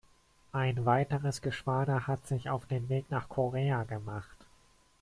Ein weiteres Geschwader hat sich auf den Weg nach Korea gemacht.